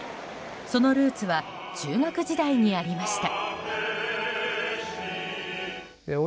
そのルーツは中学時代にありました。